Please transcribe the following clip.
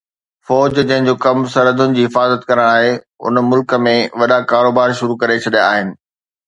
فوج جنهن جو ڪم سرحدن جي حفاظت ڪرڻ آهي ان ملڪ ۾ وڏا ڪاروبار شروع ڪري ڇڏيا آهن